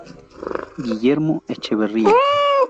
Guillermo Echeverría.